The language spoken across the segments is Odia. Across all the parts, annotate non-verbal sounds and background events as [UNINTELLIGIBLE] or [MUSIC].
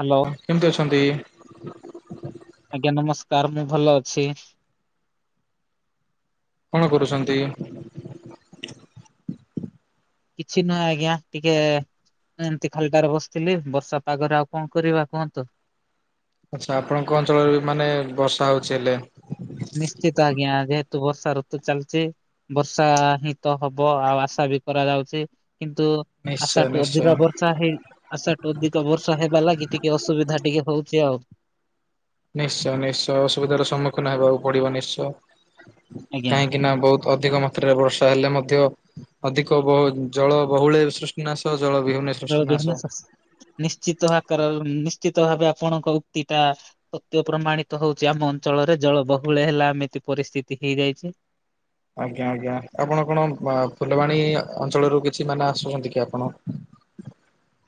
ହାଲୋ। କେମିତି ଅଛନ୍ତି? ଆଜ୍ଞା ନମସ୍କାର୍ ମୁଁ ଭଲ ଅଛି। କଣ କରୁଛନ୍ତି? କିଛି ନୁହେଁ ଆଜ୍ଞା ଟିକେ ଏମିତି ଖାଲିଟାରେ ବସିଥିଲି ବର୍ଷା ପାଗରେ ଆଉ କଣ କରିବା କୁହନ୍ତୁ? ଆଚ୍ଛା ଆପଣଙ୍କ ଅଞ୍ଚଳରେ ମାନେ ବର୍ଷା ହଉଛି ହେଲେ ନିଶ୍ଚିତ ଆଜ୍ଞା ଯେହେତୁ ବର୍ଷା ଋତୁ ଚାଲିଛି। ବର୍ଷା ହିଁ ତ ହବ ଆଉ ଆଶା ବି କରାଯାଉଛି କିନ୍ତୁ ନିଶ୍ଚୟ ଆଶା ଠୁ ନିଶ୍ଚୟ ଅଧିକା ବର୍ଷା ହେଇ ଆଶା ଠୁ ଅଧିକ ବର୍ଷା ହେବା ଲାଗି ଟିକେ ଅସୁବିଧା ଟିକେ ହଉଛି ଆଉ ନିଶ୍ଚୟ ନିଶ୍ଚୟ ଅସୁବିଧାର ସମ୍ମୁଖୀନ ହେବାକୁ ପଡିବ ନିଶ୍ଚୟ ଆଜ୍ଞା କାହିଁକି ନା ବହୁତ୍ ଅଧିକ ମାତ୍ରାରେ ବର୍ଷା ହେଲେ ମଧ୍ୟ ଅଧିକ ବହୁ ଜଳ ବହୁଳେ ସୃଷ୍ଟି ନାଶ ଜଳ ବିହୁନେ ସୃଷ୍ଟି ନାଶ। ନିଶ୍ଚିତ ଆକାରରେ ନିଶ୍ଚିତ ଭାବେ ଆପଣଙ୍କ ଉକ୍ତି ଟା ସତ୍ୟ ପ୍ରମାଣିତ ହଉଛି ଆମ ଅଞ୍ଚଳରେ ଜଳ ବହୁଳେ ହେଲା ଏମିତି ପରିସ୍ଥିତି ହେଇଯାଇଛି। ଆଜ୍ଞା ଆଜ୍ଞା ଆପଣ କଣ ବାଃ ଫୁଲବାଣୀ ଅଞ୍ଚଳରୁ କିଛି ମାନେ ଆସୁଛନ୍ତି କି ଆପଣ?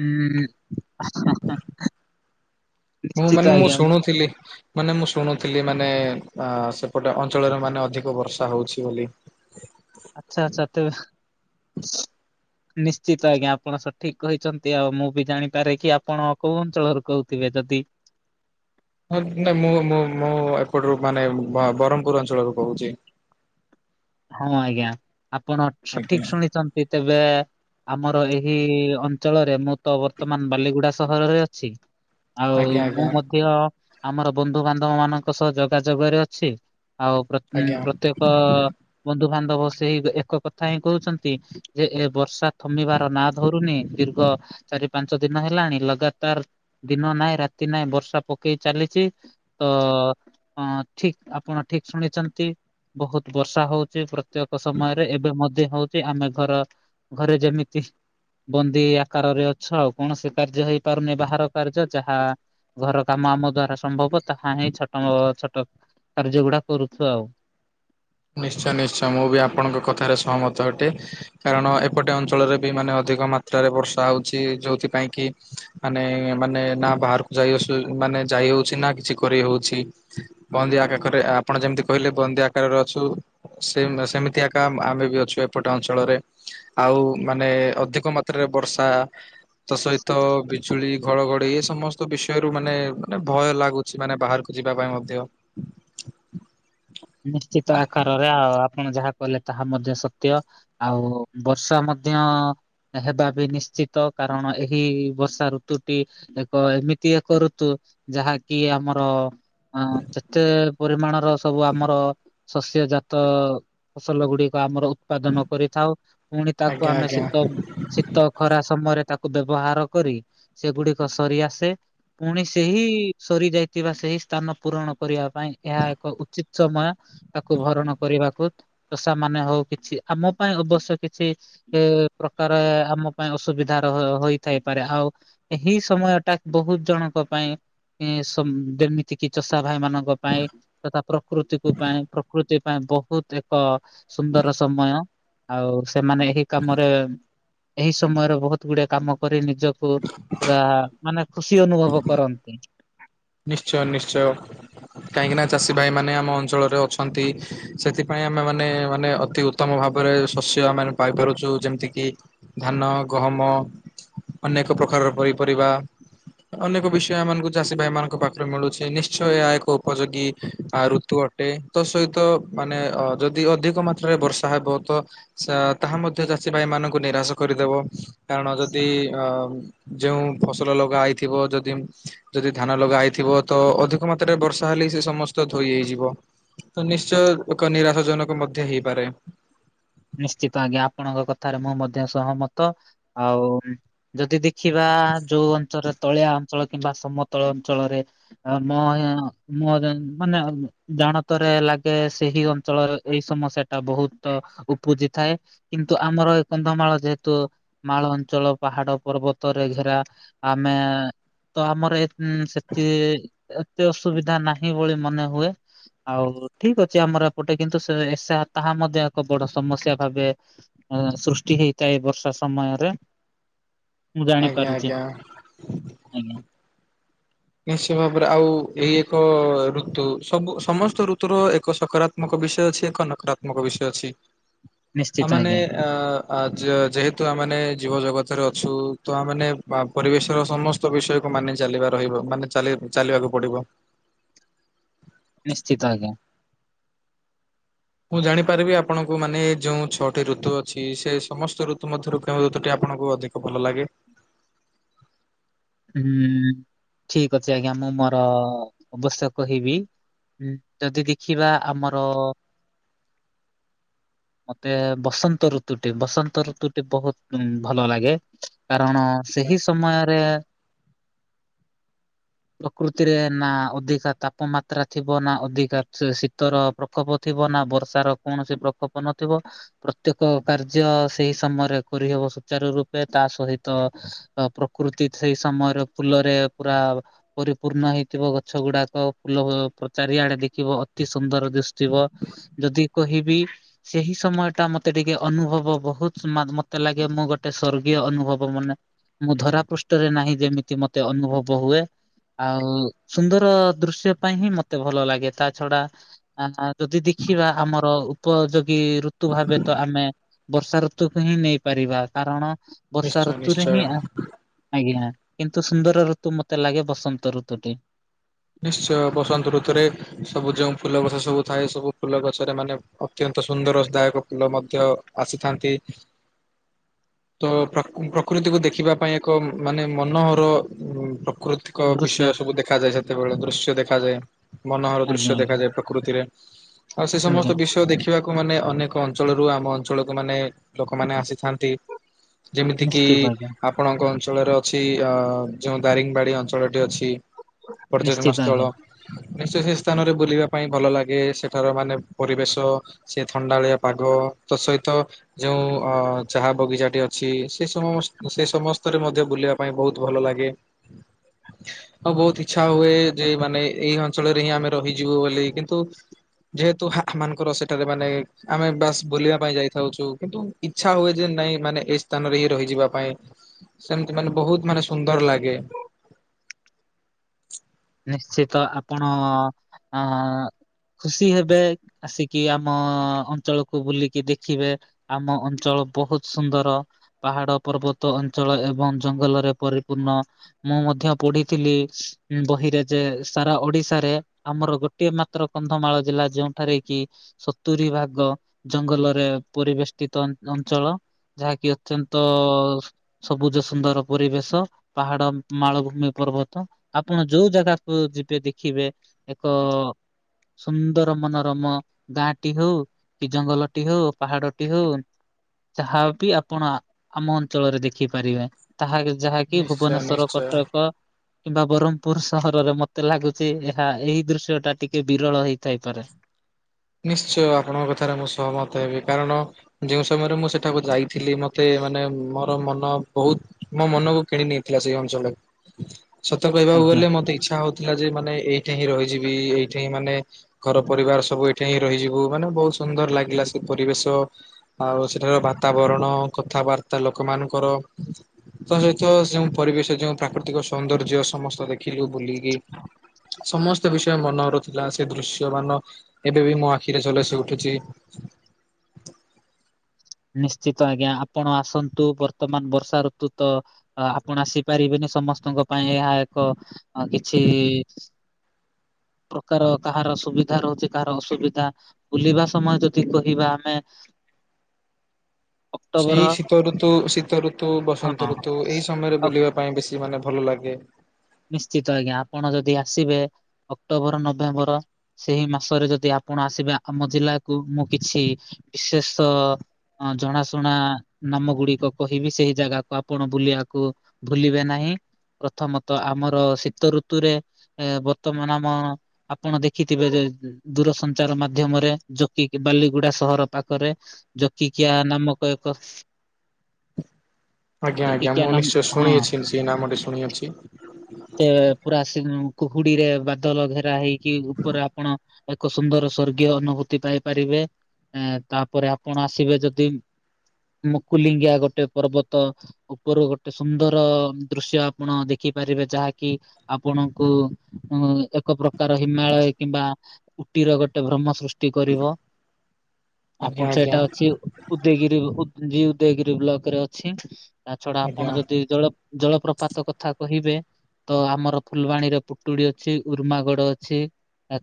ହୁଁ ହାଁ ହାଁ ହାଁ ହେଁ। ମୁଁ ମାନେ ମୁଁ ଶୁଣୁ ଥିଲି। ମାନେ ମୁଁ ଶୁଣୁ ଥିଲି ମାନେ ଆ ସେପଟେ ଅଞ୍ଚଳରେ ମାନେ ଅଧିକ ବର୍ଷା ହୋଉଛି ବୋଲି। ଆଚ୍ଛା ଆଚ୍ଛା ତେବେ [INAUDIBLE] ନିଶ୍ଚିତ ଆଜ୍ଞା ଆପଣ ସଠିକ୍ କହିଚନ୍ତି ଆଉ ମୁଁ ବି ଜାଣିପାରେ କି ଆପଣ କୋଉ ଅଞ୍ଚଳରୁ କହୁ ଥିଲେ ଯଦି ହଁ ନାଁ ମୁଁ ମୁଁ ମୁଁ ଏପଟରୁ ମାନେ ବ୍ରହ୍ମପୁର୍ ଅଞ୍ଚଳରୁ କହୁଛି। ହଁ ଆଜ୍ଞା ଆପଣ ଆଜ୍ଞା। ସଠିକ୍ ଶୁଣିଚନ୍ତି ତେବେ ଆମର ଏହି ଅଞ୍ଚଳରେ ମୁଁ ତ ବର୍ତ୍ତମାନ୍ ବାଲିଗୁଡ଼ା ସହରରେ ଅଛି। ଆଉ ଆଜ୍ଞା ମୁଁ ଆଜ୍ଞା ମଧ୍ୟ ଆମର ବନ୍ଧୁ ବାନ୍ଧବ ମାନଙ୍କ ସହ ଯୋଗାଯୋଗରେ ଅଛି ଆଉ ପ୍ରତ୍ ଆଜ୍ଞା ପ୍ରତ୍ୟେକ ବନ୍ଧୁ ବାନ୍ଧବ ସେ ଏଇ ବି ଏକ କଥା ହିଁ କହୁଛନ୍ତି। ଯେ ଏ ବର୍ଷା ଥମିବାର ନା ଧରୁନି ଦୀର୍ଘ ଚାରି ପାଞ୍ଚ ଦିନ ହେଲାଣି ଲଗାତାର୍ ଦିନ ନାହିଁ ରାତି ନାହିଁ ବର୍ଷା ପକେଇ ଚାଲିଚି। ତ ହଁ ଠିକ୍ ଆପଣ ଠିକ୍ ଶୁଣିଚନ୍ତି ବୋହୁତ୍ ବର୍ଷା ହୋଉଛି। ପ୍ରତ୍ୟେକ ସମୟରେ ଏବେ ମଧ୍ୟ ହୋଉଛି ଆମେ ଘର ଘରେ ଯେମିତି ବନ୍ଦୀ ଆକାରରେ ଅଛ ଆଉ କୌଣସି କାର୍ଯ୍ୟ ହେଇ ପାରୁନି ବାହାର କାର୍ଯ୍ୟ ଯାହା ଘର କାମ ଆମ ଦ୍ଵାରା ସମ୍ଭବ ତାହା ହିଁ ଛୋଟ ଛୋଟ କାର୍ଯ୍ୟ ଗୁଡ଼ା କରୁଛୁ ଆଉ ନିଶ୍ଚୟ ନିଶ୍ଚୟ ମୁଁ ବି ଆପଣଙ୍କ କଥାରେ ସହମତ ଅଟେ। କାରଣ ଏପଟେ ଅଞ୍ଚଳରେ ବି ମାନେ ଅଧିକ ମାତ୍ରାରେ ବର୍ଷା ହେଉଛି ଯେଉଁଥିପାଇଁ କି ମାନେ ମାନେ ନା ବାହାରକୁ ଯାଇସୁ ମାନେ ଯାଇ ହଉଛି ନା କିଛି କରି ହଉଛି ବନ୍ଦି ଆକାଖରେ ଆପଣ ଯେମିତି କହିଲେ ବନ୍ଦି ଆକାରରେ ସେ ସେମିତି ଏକା ଆମେ ବି ଅଛୁ ଏପଟ ଅଞ୍ଚଳରେ ଆଉ ମାନେ ଅଧିକ ମାତ୍ରାରେ ବର୍ଷା ତା ସହିତ ବିଜୁଳି ଘଡଘଡି ଏ ସମସ୍ତ ବିଷୟରୁୁ ମାନେ ମାନେ ଭୟ ଲାଗୁ ସେମାନେ ବାହାରକୁ ଯିବା ପାଇଁ ମଧ୍ୟ ନିଶ୍ଚିତ ଆକାରରେ ଆଉ ଆପଣ ଯାହା କଲେ ତାହା ମଧ୍ୟ ସତ୍ୟ। ଆଉ ବର୍ଷା ମଧ୍ୟ ହେବା ବି ନିଶ୍ଚିତ, କାରଣ ଏହି ବର୍ଷା ଋତୁଟି ଏକ ଏମିତି ଏକ ଋତୁ, ଯାହାକି ଆମର ଅଁ ଯେତେ ପରିମାଣର ସବୁ ଆମର ଶସ୍ୟଜାତ ଫସଲ ଗୁଡିକ ଆମର ଉତ୍ପାଦନ କରିଥାଉ, ପୁଣି ତାକୁ ଆଜ୍ଞା ଆମେ ଆଜ୍ଞା। ଶୀତ ଶୀ ତ ଖରା ସମୟରେ ତାକୁ ବ୍ୟବହାର କରି ସେଗୁଡିକ ସରିଆସେ। ପୁଣି ସେହି ସରିଯାଇଥିବା ସେହି ସ୍ଥାନ ପୂରଣ କରିବା ପାଇଁ ଏହା ଏକ ଉଚିତ୍ ସମୟ ତାକୁ ଭରଣ କରିବାକୁ। ଚଷା ମାନେ ହଉ କିଛି ଆମ ପାଇଁ ଅବଶ୍ୟ କିଛି ଏ ପ୍ରକାରେ ଆମ ପାଇଁ ଅସୁବିଧାର ହୋଇଥାଇପାରେ ଆଉ ଏହି ସମୟ ଟା ବହୁତ୍ ଜଣଙ୍କ ପାଇଁ ଯେମି ତିକି ଚଷା ଭାଇ ମାନଙ୍କ ପାଇଁ ତଥା ପ୍ରକୃତିକୁ ପାଇଁ ପ୍ରକୃତି ପାଇଁ ବହୁତ୍ ଏକ ସୁନ୍ଦର ସମୟ, ଆଉ ସେମାନେ ଏହି କାମରେ ଏହି ସମୟରେ ବହୁତ୍ ଗୁଡିଏ କାମ କରି ନି ଜକୁ ପୁରା ମାନେ ଖୁସି ଅନୁଭବ କରନ୍ତି। ନିଶ୍ଚୟ-ନିଶ୍ଚୟ। କାହିଁକିନା ଚାଷୀ ଭାଇ ମାନେ ଆମ ଅଞ୍ଚଳରେ ଅଛନ୍ତି, ସେଥିପାଇଁ ଆମେ ମାନେ-ମାନେ ଅତି ଉ ତ୍ତମ ଭାବରେ ଶସ୍ୟ ଆମେ ପାଇପାରୁଚୁ ଯେମ୍ତି କି ଧାନ, ଗହମ ଅନେକ ପ୍ରକାରର [UNINTELLIGIBLE] ପରିବା ଅନେକ ବିଷୟ ଆମ ମାନଙ୍କୁ ଚାଷୀ ଭାଇ ମାନଙ୍କ ଙ୍କ ପାଖରେ ମିଳୁଛି ନିଶ୍ଚୟ ଏହା ଏକ ଉପଯୋଗୀ ଋତୁ ଅଟେ ତତ୍ ସହିତ ମାନେ ଅ ଯଦି ଅଧିକ ମାତ୍ରାରେ ବର୍ଷା ହେବ ତ [UNINTELLIGIBLE] ତାହା ମଧ୍ୟ ଚାଷୀ ଭାଇ ମାନଙ୍କୁ ନିରାଶ କରିଦେବ, କାରଣ ଯଦି ଅ ଯୋଉଁ ଫସଲ ଲଗା ହେଇଥିବ, ଯଦି-ଯଦି ଧା ନ, ଲଗା ହେଇଥିବ ତ ଅଧିକ ମାତ୍ରାରେ ବର୍ଷା ହେଲେ ସେ ସମସ୍ତ ଧୋଇ ହେଇଯିବ। ତ ନିଶ୍ଚୟ ଏକ ନିରାଶଜନକ ମଧ୍ୟ ହେଇପାରେ। ନିଶ୍ଚିତ ଆଜ୍ଞା, ଆପଣଙ୍କ କଥାରେ ମୁଁ ମଧ୍ୟ ସହମତ ଆଉ ଯଦି ଦେଖିବା ଯୋଉ ଅଞ୍ଚଳରେ ତଳିଆ ଅଞ୍ଚଳ କିମ୍ବା ସମତଳ ଅଞ୍ଚଳରେ ଆ ମୋ-ମୋ ମାନେ ଜାଣତରେ ଲାଗେ ସେହି ଅଞ୍ଚଳ ଏଇ ସମସ୍ୟା ଟା ବହୁତ ଉପୁଜିଥାଏ, କିନ୍ତୁ ଆମର ଏଇ କନ୍ଧମାଳ ଯେହେତୁ ମାଳ ଅଞ୍ଚଳ ପାହାଡ ପର୍ବତରେ ଘେରା ଆମେ ତ ଆମର ଏ ହୁଁ [UNINTELLIGIBLE] ଏତେ ଅସୁବିଧା ନାହିଁ ବୋଳି ମନେହୁଏ। ଆଉ ଠିକ୍ ଅଛି ଆମର ଏପଟେ କିନ୍ତୁ ସେସା ତାହା ମଧ୍ୟ ଏକ ବଡ ସମସ୍ୟା ଭାବେ ସୃଷ୍ଟି ହେଇଥାଏ ବର୍ଷା ସମୟରେ। ମୁଁ ଆଜ୍ଞା ଜାଣିପାରୁଚି, ଆଜ୍ଞା। ଆଜ୍ଞା। ନିଶ୍ଚୟ ଭାବରେ ଆଉ ଏଇ ଏକ ଋତୁ ସବୁ ସମସ୍ତ ଋତୁର ଏକ ସକାରା ତ୍ମକ ବିଷୟ ଅଛି ଏକ ନକାତ୍ମକ ବିଷୟ ଅଛି, ଆଉ ନିଶ୍ଚିତ ମାନେ ଆଜ୍ଞା ଅ ଆ ଜ ଯେହେତୁ ଆମେମାନେ ଜୀବ ଜଗତରେ ଅଛୁ ତ ଆମେମାନେ ପରିବେଶର ସମସ୍ ତ ବିଷୟକୁ ମାନି ଚାଲିବା ରହିବ, ମାନେ ଚାଲି ଚାଲିବାକୁ ପଡିବ। ନିଶ୍ଚିତ ଆଜ୍ଞା। ମୁଁ ଜାଣିପାରିବି ଆପଣଙ୍କୁ ମାନେ ଯେଉଁ ଛଅଟି ଋତୁ ଅଛି, ସେ ସମସ୍ତ ଋତୁ ମଧ୍ୟରୁ କେଉଁ ଋତୁଟି ଆପଣଙ୍କୁ ଅଧିକ ଭଲ ଲାଗେ? ହୁଁ ଠିକ୍ ଅଛି ଆଜ୍ଞା, ମୁଁ ମୋର ଅବଶ୍ୟ କହିବି ହୁଁ ଯଦି ଦେଖିବା ଆମର [INAUDIBLE] ମତେ ବସନ୍ତ ଋତୁଟି ବସନ୍ତ ଋତୁଟି ବହୁତ୍ ଭଲ ଲାଗେ। କାରଣ ସେହି ସମୟରେ ପ୍ରକୃତିରେ ନା ଅଧିକା ତାପମାତ୍ରା ଥିବ, ନା ଅଧିକା ଶୀତର ପ୍ରକୋପ ଥିବ ନାଁ ବର୍ଷାର କୌଣସି ପ୍ରକୋପ ନଥିବ। ପ୍ରତ୍ୟେକ କାର୍ଯ୍ୟ ସେଇ ସମୟରେ କରିହେବ ସୁଚାରୁ ରୂପେ ତା ସହିତ ଅ ପ୍ରକୃତି ସେଇ ସମୟରେ ଫୁଲରେ ପୁରା ପରିପୂର୍ଣ୍ଣ ହେଇଥିବ ଗଛ ଗୁଡ଼ାକ ଫୁଲ ପ୍ର ଚାରିଆଡ଼େ ଦେଖିବ ଅତି ସୁନ୍ଦର ଦିଶୁଥିବ। ଯଦି କହିବି ସେହି ସମୟଟା ମତେ ଟିକେ ଅନୁଭବ ବହୁତ ମା ମତେ ଲାଗେ ମୁଁ ଗୋଟେ ସ୍ଵର୍ଗୀୟ ଅନୁଭବ ମନେ ମୁଁ ଧରା ପୃଷ୍ଠରେ ନାହିଁ ଯେମିତି ମତେ ଅନୁଭବ ହୁଏ। ଆଉ ସୁନ୍ଦର ଦୃଶ୍ୟ ପାଇଁ ହିଁ ମତେ ଭଲ ଲାଗେ ତା ଛଡ଼ା ଆଁ ଯଦି ଦେଖିବା ଆମର ଉପଯୋଗୀ ଋତୁ ଭାବେ ତ ଆମେ ବର୍ଷା ଋତୁକୁ ହିଁ ନେଇପାରିବା କାରଣ ବର୍ଷା ନିଶ୍ଚୟ ଋତୁରେ ନିଶ୍ଚୟ ହିଁ ଆଁ ଆଜ୍ଞା କିନ୍ତୁ ସୁନ୍ଦର ଋତୁ ମତେ ଲାଗେ ବସନ୍ତ ଋତୁଟି। ନିଶ୍ଚୟ ବସନ୍ତ ଋତୁରେ ସବୁ ଯୋଉଁ ଫୁଲ ଗଛ ସବୁ ଥାଏ ସବୁ ଫୁଲ ଗଛରେ ମାନେ ଅତ୍ୟନ୍ତ ସୁନ୍ଦର ଦାୟକ ଫୁଲ ମଧ୍ୟ ଆସିଥାନ୍ତି। ତ ପ୍ର ପ୍ରକୃତିକୁ ଦେଖିବା ପାଇଁ ଏକ ମାନେ ମନୋହର ଉଁ ପ୍ରକୃତି କ ବିଷୟ ଦୃଶ୍ୟ ସବୁ ଦେଖାଯାଏ ସେତେବେଳେ ଦୃଶ୍ୟ ଦେଖାଯାଏ। ମନୋହର ଆଜ୍ଞା ଦୃଶ୍ୟ ଆଜ୍ଞା ଦେଖାଯାଏ ପ୍ରକୃତିରେ ଆଉ ସେ ଆଜ୍ଞା ସମସ୍ତ ବିଷୟ ଦେଖି ଖିବାକୁ ମାନେ ଅନେକ ଅଞ୍ଚଳରୁ ଆମ ଅଞ୍ଚଳକୁ ମାନେ ଲୋକମାନେ ଆସିଥାନ୍ତି। ଯେମିତି କିି ନିଶ୍ଚିତ ଆଜ୍ଞା ଆପଣଙ୍କ ଅଞ୍ଚଳରେ ଅଛି ଅ ଯେଉଁ ଦାରିଙ୍ଗବାଡ଼ି ଅଞ୍ଚଳଟି ଅଛି। ପର୍ଯ୍ୟଟନ ନିଶ୍ଚିତ ଆଜ୍ଞା। ସ୍ଥଳ। ନିଶ୍ଚୟ ସେ ସ୍ଥାନରେ ବୁଲିବା ପାଇଁ ଭଲ ଲାଗେ ସେଠାର ମାନେ ପରିବେଶ ସେ ଥଣ୍ଡାଳିଆ ପାଗ ତ ସହିତ ଯୋଉଁ ଅ ଚାହା ବଗିଚାଟି ଅଛି ସେ ସମ ସେ ସମସ୍ତରେ ମଧ୍ୟ ବୁଲିବା ପାଇଁ ବହୁତ ଭଲ ଲାଗେ। ଅ ବହୁତ ଇ ଛା ହୁଏ ଯେ ମାନେ ଏଇ ଅଞ୍ଚଳରେ ହିଁ ଆମେ ରହିଯିବୁ ବୋଲି କିନ୍ତୁ ଯେହେତୁ ହା ଆମାନଙ୍କର ସେଠାରେ ମାନେ ଆମେ ବାସ୍ ବୁଲିବା ପାଇଁ ଯାଇଥାଉଚୁ କିନ୍ତୁ ଇଚ୍ଛା ହୁଏ ଯେ ନାଇଁ ମାନେ ଏ ସ୍ଥାନରେ ହିଁ ରହିଯିବା ପାଇଁ। ସେମତି ମାନେ ବହୁତ ମାନେ ସୁନ୍ଦର ଲାଗେ। ନିଶ୍ଚିତ ଆପଣ ଅ ଖୁସି ହେବେ ଆସିକି ଆମ ଅଞ୍ଚଳକୁ ବୁଲିକି ଦେଖିବେ। ଆମ ଅଞ୍ଚଳ ବହୁତ ସୁନ୍ଦର। ପାହାଡ଼ ପର୍ବତ ଅଞ୍ଚଳ ଏବଂ ଜଙ୍ଗଲରେ ପରିପୂର୍ଣ୍ଣ। ମୁଁ ମଧ୍ୟ ପଢ଼ିଥିଲି ଉଁ ବହି। ରେ ଯେ ସାରା ଓଡ଼ିଶାରେ ଆମର ଗୋଟିଏ ମାତ୍ର କନ୍ଧମାଳ ଜିଲ୍ଲା ଯେଉଁଠାରେ କି ସତୁରୀ ଭାଗ ଜଙ୍ଗଲରେ ପରିବେଷ୍ଟିତ ଅଞ୍ଚଳ। ଯାହାକି ଅତ୍ୟନ୍ତ ସବୁଜ ସୁନ୍ଦର ପରିବେଶ ପାହାଡ଼ ମାଳଭୂମି ପର୍ବତ ଆପଣ ଯୋଉ ଜାଗାକୁ ଯିବେ ଦେଖିବେ ଏକ ସୁନ୍ଦର ମନୋରମ ଗାଁଟି ହଉ କି ଜଙ୍ଗଲଟି ହଉ ପାହାଡ଼ଟି ହଉ ଯାହା ବି ଆପଣ ଆମ ଅଞ୍ଚଳରେ ଦେଖିପାରିବେ। ତାହାକି ଯାହାକି ନିଶ୍ଚୟ ଭୁବନେଶ୍ଵର ନିଶ୍ଚୟ। କଟକ କିମ୍ବା ବରହମ୍ ପୁର ସହରରେ ମତେ ଲାଗୁଚି ଏହା ଏହି ଦୃଶ୍ୟଟା ଟିକେ ବିରଳ ହେଇଥାଇପାରେ। ନିଶ୍ଚୟ ଆପଣଙ୍କ କଥାରେ ମୁଁ ସହମତ ହେବି କାରଣ ଯେଉଁ ସମୟରେ ମୁଁ ସେଠାକୁ ଯାଇଥିଲି ମତେ ମାନେ ମୋର ମନ ବହୁତ ମୋ ମନକୁ କିଣ ନେଇ ଥିଲା ସେଇ ଅଞ୍ଚଳରେ ସତ କହିବାକୁ ଆଜ୍ଞା ଗଲେ ମତେ ଇଚ୍ଛା ହଉ ଥିଲା ଯେ ମାନେ ଏଇଠେ ହିଁ ରହିଯିବି ଏଇଠେ ହିଁ ମାନେ ଘର ପରିବାର ସବୁ ଏ ଠେ ହିଁ ରହିଯିବୁ ମାନେ ବହୁତ ସୁନ୍ଦର ଲାଗିଲା ସେ ପରିବେଶ। ଆଉ ସେଠାର ବାତାବରଣ କଥାବାର୍ତ୍ତା ଲୋକମାନଙ୍କର। ତ ସହିତ ଯେଉଁ ପରିବେଶ ଯେଉଁ ପ୍ରାକୃତିକ ସୌନ୍ଦର୍ଯ୍ୟ ସମସ୍ତ ଦେ ଖିଲୁ ବୁଲିକି ସମସ୍ତ ବିଷୟ ମନରୁ ଥିଲା ସେ ଦୃଶ୍ୟ ମାନ ଏବେ ବି ମୋ ଆଖିରେ ଝଲସି ଉଠୁଚି। ନିଶ୍ଚିତ ଆଜ୍ଞା ଆପଣ ଆସନ୍ତୁ ବର୍ତ୍ତମାନ ବର୍ଷା ଋତୁ ତ ଆପଣ ଆସିପାରିବେନି ସମସ୍ତଙ୍କ ପାଇଁ ଏହା ଏକ କିଛି ପ୍ରକାର କାହାର ସୁବିଧା ରହୁଛି କାହାର ଅସୁବିଧା ବୁଲିବା ସମୟ ଯଦି କହିବା ଆମେ ସେଇ ଅକ୍ଟୋବର ଶୀତ ଋତୁ ଶୀତ ଋତୁ ହଁ ବସନ୍ତ ଋତୁ ଏଇ ସମୟରେ ଆଉ ବୁଲିବା ପାଇଁ ବେଶୀ ମାନେ ଭଲ ଲାଗେ ନିଶ୍ଚିତ ଆଜ୍ଞା ଆପଣ ଯଦି ଆସିବେ ଅକ୍ଟୋବର ନଭେମ୍ବର ସେଇ ମାସରେ ଯଦି ଆପଣ ଆସିବେ ଆମ ଜିଲ୍ଲାକୁୁ ମୁଁ କିଛି ବିଶେଷ ଅ ଜଣାଶୁଣା ନାମ ଗୁଡିକ କହିବି ସେଇ ଜାଗାକୁ ଆପଣ ବୁଲିବାକୁ ଭୁଲିବେ ନାହିଁ ପ୍ରଥମତଃ ଆମର ଶୀତ ଋତୁରେ ଏ ବର୍ତ୍ତମାନ ଆମ ଆପଣ ଦେଖିଥିବେ ଯେ ଦୂରସଞ୍ଚାର ମାଧ୍ୟମରେ ଜୋକି ବାଲିଗୁଡା ସହର ପାଖରେ ଜୋକିକିଆ ନାମକ ଏକ ଆଜ୍ଞା ଆଜ୍ଞା ଜୋକିକିଆ ମୁଁ ନାମ ନିଶ୍ଚୟ ହଁ ଶୁଣିଅଛି ସେଇ ନାମଟି ଶୁଣିଅଛି ତ ପୁରା ଆସନକ କୁହୁଡିରେ ବାଦଲ ଘେରା ହେଇକି ଉପରେ ଆପଣ ଏକ ସୁନ୍ଦର ସ୍ଵର୍ଗୀୟ ଅନୁଭୂତି ପାଇପାରିବେ ଏ ତାପରେ ଆପଣ ଆସିବେ ଯଦି ମୁକୁଲିଙ୍ଗିଆ ଗୋଟେ ପର୍ବତ ଉପରୁ ଗୋଟେ ସୁନ୍ଦର ଦୃଶ୍ୟ ଆପଣ ଦେଖି ଦେଖିପାରିବେ ଯାହାକି ଆପଣଙ୍କୁ ଏକ ପ୍ରକାର ହିମାଳୟ କିମ୍ବା ଉଟିର ଗୋଟେ ଭ୍ରମ ସୃଷ୍ଟି କରିବ। ଆଜ୍ଞା ଆପଣ ଆଜ୍ଞା ସେଇଟା ଅଛି ଉଦୟଗିରି ଉଦୟଗିରି ବ୍ଲକ ରେ ଅଛି ତା ଛଡା ଆଜ୍ଞା। ଆପଣ ଯଦି ଜଳ ଜଳପ୍ରପାତ କଥା କହିବେ ତ ଆମର ଫୁଲବାଣୀରେ ପୁଟୁଡି ଅଛି ଉର୍ମାଗଡ ଅଛି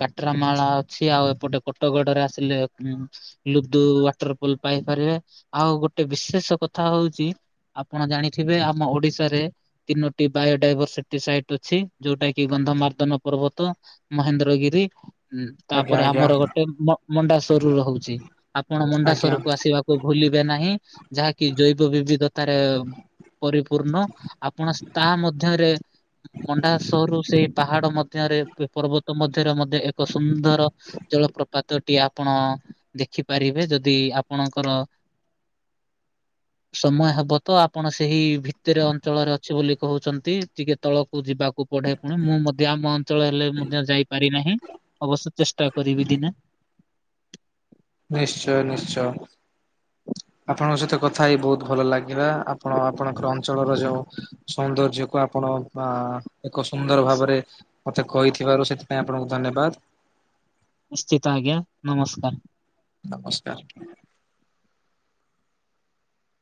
କାଟର ମାଳା ଅଛି ଆଉ ଏପଟେ କୋଟଗଡରେ ଆସିଲେ ଲୁଦୁ ୱାଟର ଫଲ ପାଇପାରିବେ ଆଉ ଗୋଟେ ବିଶେଷ କଥା ହଉଛି ଆପଣ ଜାଣିଥିବେ ଆମ ଓଡିଶାରେ ତିନୋ ବାୟୋଡାଇଭରସିଟି ସାଇଟ୍ ଅଛି ଯୋଉଟା କି ଗନ୍ଧମାର୍ଧନ ପର୍ବତ। ମହେନ୍ଦ୍ର ଗିରି ହୁଁ ଆଜ୍ଞା ତାପରେ ଆଜ୍ଞା ଆମର ଗୋଟେ ମଣ୍ଡାସଵରରୁ ରହୁଛି ଆପଣ ଆଜ୍ଞା ମଣ୍ଡାସଵର କୁ ଆସିବା ଭୁଲିବେ ନାହିଁ। ଯାହାକି ଜୈବ ବିବିଧତାରେ ପରିପୂର୍ଣ୍ଣ ଆପଣ ତାହା ମଧ୍ୟରେ ମଣ୍ଡା ସହରୁ ସେଇ ପାହାଡ ମଧ୍ୟରେ ପର୍ବତ ମଧ୍ୟରେ ମତେ ଏକ ସୁନ୍ଦର ଜଳପ ପାଦଟିଏ ଆପଣ ଦେଖିପାରିବେ ଯଦି ଆପଣଙ୍କର ସମୟ ହବ ତ ଆପଣ ସେହି ଭିତରେ ଅଞ୍ଚଳରେ ଅଛି ବୋଲି କହୁଛନ୍ତି ଟିକେ ତଳକୁ ଯିବାକୁ କୁ ପଢେ ପୁଣି ମୁଁ ମଧ୍ୟ ଆମ ଅଞ୍ଚଳ ହେଲେ ମଧ୍ୟ ଯାଇପାରି ନାହିଁ ଅବଶ୍ୟ ଚେଷ୍ଟା କରିବି ଦିନେ। ନିଶ୍ଚୟ ନିଶ୍ଚୟ ଆପଣଙ୍କ ସହିତ କଥା ହେଇ ବହୁତ ଭଲ ଲାଗେ ଯିବା ଆପଣ ଆପଣଙ୍କର ଅଞ୍ଚଳର ଯୋଉ ସୌନ୍ଦର୍ଯ୍ୟକୁ ଆପଣ ଅ ଏକ ସୁନ୍ଦର ଭାବରେ ମତେ କହିଥିବାରୁ ସେ ପାଇଁ ଆପଣଙ୍କୁ ଧନ୍ୟବାଦ। ନିଶ୍ଚିତ ଆଜ୍ଞା ନମସ୍କାର। ନମସ୍କାର।